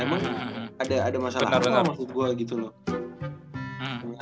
emang ada masalah apa maksud gue gitu loh